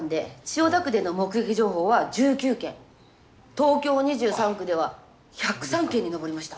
東京２３区では１０３件に上りました。